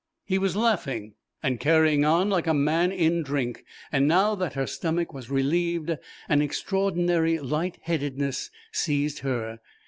He was laughing and carrying on like a man in drink and now that her stomach was relieved an extraordinary light headedness seized her.